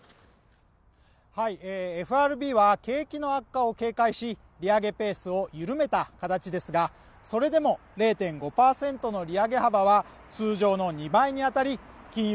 ＦＲＢは景気の悪化を警戒し利上げペースを緩めた形ですがそれでも０．５％の利上げ幅は通常の２倍にあたり金融